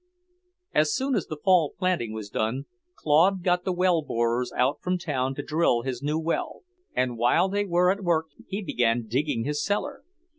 As soon as the fall planting was done, Claude got the well borers out from town to drill his new well, and while they were at work he began digging his cellar.